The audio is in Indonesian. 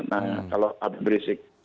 nah kalau habib rizik